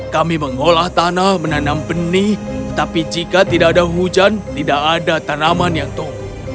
kami mengolah tanah menanam benih tetapi jika tidak ada hujan tidak ada tanaman yang tumbuh